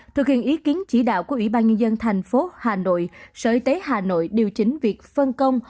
thực hiện ý kiến chỉ đạo của ủy ban nhân dân thành phố hà nội sở y tế hà nội điều chỉnh việc phân công